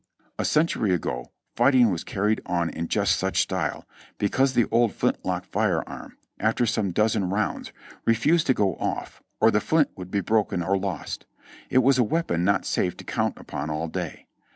A century ago fighting was car ried on in just such style, because the old flintlock fire arm, after some dozen rounds, refused to go off or the flint would be broken or lost ; it was a weapon not safe to count upon all day.